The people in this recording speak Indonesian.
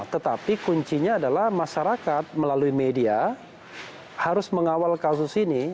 tetapi kuncinya adalah masyarakat melalui media harus mengawal kasus ini